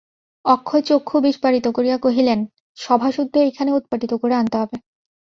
অক্ষয় চক্ষু বিস্ফারিত করিয়া কহিলেন, সভাসুদ্ধ এইখানে উৎপাটিত করে আনতে হবে।